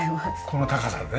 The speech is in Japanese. この高さでね。